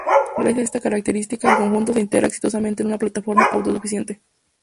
Gracias a esta característica el conjunto se integra exitosamente en una plataforma auto-suficiente.